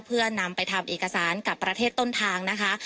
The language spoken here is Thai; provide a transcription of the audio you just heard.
เพื่อนำไปทำเอกสารกับประเทศต้นทางนะคะ